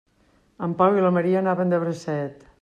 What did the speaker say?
En Pau i la Maria anaven de bracet.